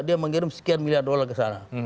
dan dia mengirim sekian miliar dolar ke sana